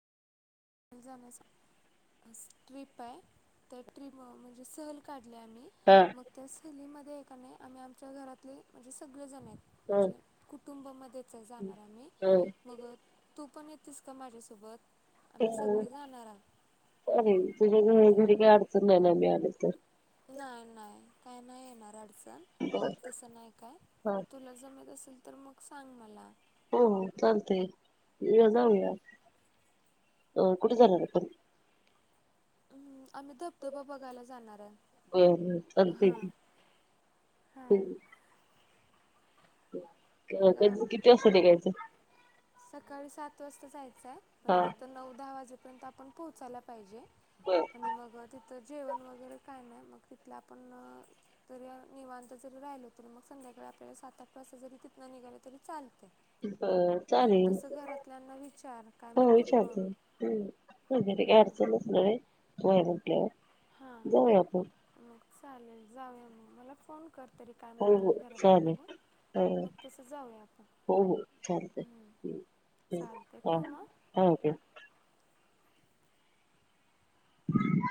जाण्या ट्ररीप आहे. त्या ट्रीप म्हणजे सहलकाडली काढली आम्ही हा [unintelligible] एकाने आम्ही आमच्या घरातले म्हणजे सगळे जण आहेत. हा म्हणजे कुटुंबमध्येच जाणार आहे मी हा मग तू पण येतीस का माझ्या सोबत? येणं करीन तुझं घ-घरी काय अडचण? अडचण नाही ना, मी आले तर? नाही नाही काही नाही येणार अडचणी. बर तस नाही काम? हा तुला जम तस तर मग सांग मला? हो चालतय, जाऊया अ कुठे जाणार पण? हम्म! आम्ही धबधबा बघायला जाणार आहे. बरं बरं चालतंय, हां कि अ हां मग आ- कधी किती वाजता निघायचं? सकाळी सात वाजता जाय चायं म्हणजे, हा तिथं नऊ, दहा वाजेपर्यंत तर आपण पोहोचायला पाहिजे. बर आणि मग ति तर जेवण वगैरे काय नाही, मग तिथलं आपण तरी निवांत जरी राहिलो, तरी मग संध्याकाळी आपल्याला सात, आठ वाजता जरी तिथ तिथंन निघालं तरी चालतयं. बरं चालेल, घरातल्यांना विचार काय हो म्हणतात बघ विचारतो ह [unintelligible] काय हां अडचणचं नाही. हो म्हंटलेल. हां. जाऊ आपण. मग चालेल जाऊ मग मला फोन कर तरी काय हो हो म्हणतात घरातले बघून. चालेल. मग तसं जाऊया आपण हो हो चालतय हा थक्यू. चालते ठेवू मग. हा ठेव. हम् [unintelligible]